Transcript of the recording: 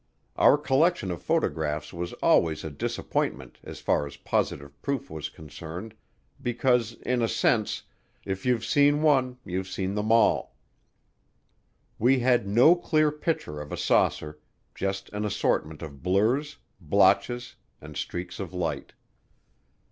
Our collection of photographs was always a disappointment as far as positive proof was concerned because, in a sense, if you've seen one you've seen them all. We had no clear pictures of a saucer, just an assortment of blurs, blotches, and streaks of light.